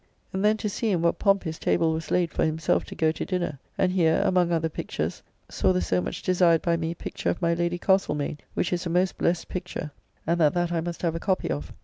And then to see in what pomp his table was laid for himself to go to dinner; and here, among other pictures, saw the so much desired by me picture of my Lady Castlemaine, which is a most blessed picture; and that that I must have a copy of.